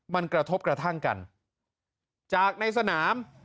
มันกระทบกระทั่งกันจากในสนาม